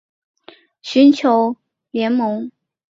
罗娑陀利再次遣使至兰纳与掸族地区寻求联盟。